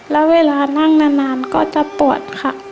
แล้วเวลานั่งนานก็จะปวดค่ะ